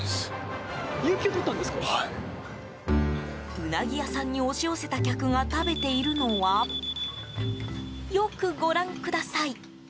うなぎ屋さんに押し寄せた客が食べているのはよくご覧ください。